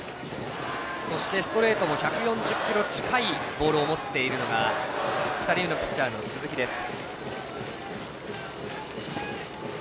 そしてストレートも１４０キロ近いボールを持っているのが２人目のピッチャーの鈴木です。